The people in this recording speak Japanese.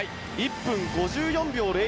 １分５４秒０１。